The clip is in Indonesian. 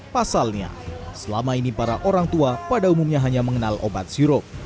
pasalnya selama ini para orang tua pada umumnya hanya mengenal obat sirup